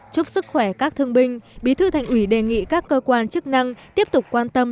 chúc sức khỏe các thương binh bí thư thành ủy đề nghị các cơ quan chức năng tiếp tục quan tâm